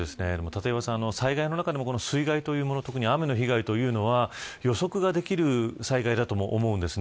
立岩さん、災害の中でも水害というもの、特に雨の被害は予測ができる災害だと思うんです。